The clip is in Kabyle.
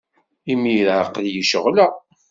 Imir-a, aql-iyi ceɣleɣ.